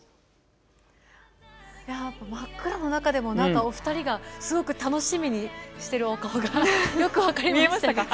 真っ暗の中でもお二人がすごく楽しみにしてるお顔がよく分かりましたね。